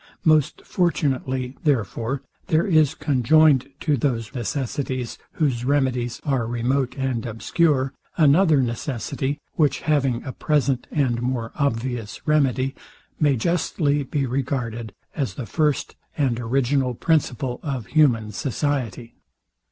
Most fortunately, therefore, there is conjoined to those necessities, whose remedies are remote and obscure, another necessity, which having a present and more obvious remedy, may justly be regarded as the first and original principle of human society.